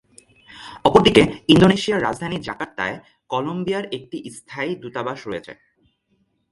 অপরদিকে, ইন্দোনেশিয়ার রাজধানী জাকার্তায় কলম্বিয়ার একটি স্থায়ী দূতাবাস রয়েছে।